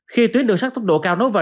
khi tuyến đường sắt tốc độ cao nối vào